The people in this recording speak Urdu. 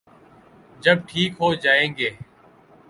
جب ٹھیک ہو جائیں گے۔